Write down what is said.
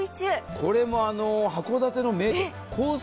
これも函館のコース